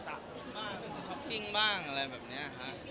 ชอปปิ้งบ้างอะไรแบบนี้